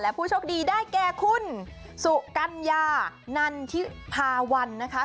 และผู้โชคดีได้แก่คุณสุกัญญานันทิพาวันนะคะ